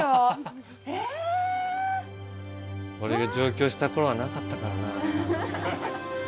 俺が上京した頃はなかったからなあれは。